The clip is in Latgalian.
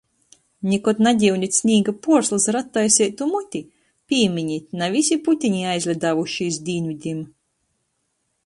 Nikod nagiunit snīga puorslys ar attaiseitu muti! Pīminit: na vysi putyni aizliduojuši iz dīnvydim.